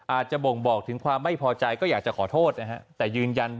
บ่งบอกถึงความไม่พอใจก็อยากจะขอโทษนะฮะแต่ยืนยัน